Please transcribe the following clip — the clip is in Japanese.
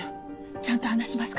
ちゃんと話しますから。